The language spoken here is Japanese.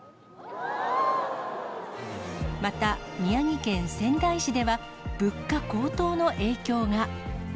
また、宮城県仙台市では、物価高騰の影響が。